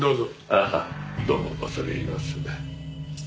ああどうも恐れ入ります。